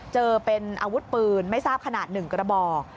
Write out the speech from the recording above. เจอเป็นอาวุธปืนไม่ทราบขนาด๑กระบอก